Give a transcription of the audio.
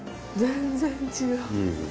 全然違う。